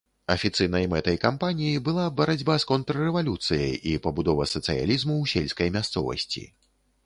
Афіцыйнай мэтай кампаніі была барацьба з контррэвалюцыяй і пабудова сацыялізму ў сельскай мясцовасці.